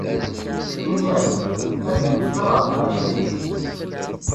Imir-nni, ad meyyzeɣ ɣef leɛǧayeb-ik.